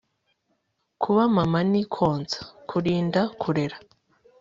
kuba mama ni konsa, kurinda, kurera